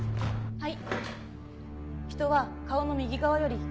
はい！